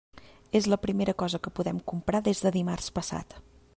És la primera cosa que podem comprar des de dimarts passat.